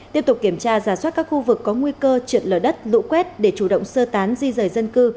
tiếp tục kiểm tra giả soát các khu vực có nguy cơ trượt lở đất lũ quét để chủ động sơ tán di rời dân cư